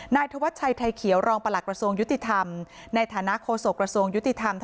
นายทวชัยไทยเขียวรองประหลักประสงค์ยุติธรรมในฐานะโคโศกประสงค์ยุติธรรม